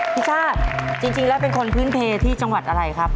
ชาติจริงแล้วเป็นคนพื้นเพลที่จังหวัดอะไรครับ